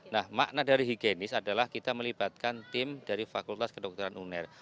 nah makna dari higienis adalah kita melibatkan tim dari fakultas kedokteran uner